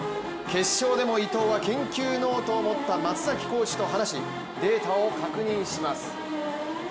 決勝でも伊藤は研究ノートを持った松崎コーチと話しデータを確認します。